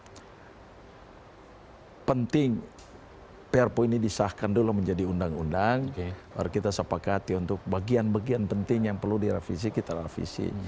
jadi penting prp ini disahkan dulu menjadi undang undang baru kita sepakati untuk bagian bagian penting yang perlu direvisi kita revisi